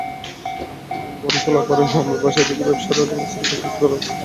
বনকলাপাড়ার মামার বাসায় থেকে রাজু রাজমিস্ত্রির কাজ করার পাশাপাশি ব্যবসা করছিলেন।